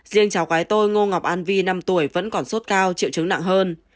riêng cháu gái tôi ngô ngọc an vi năm tuổi vẫn còn sốt cao triệu chứng nặng hơn